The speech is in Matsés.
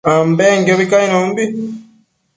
ambenquiobi cainombi